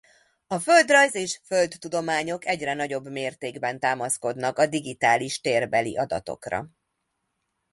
A földrajz- és földtudományok egyre nagyobb mértékben támaszkodnak a digitális térbeli adatokra.